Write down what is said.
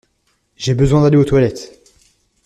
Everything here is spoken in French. J'ai besoin d'aller aux toilettes.